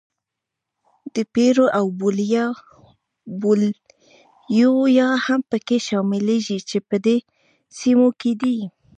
پیرو او بولیویا هم پکې شاملېږي چې په دې سیمو کې دي.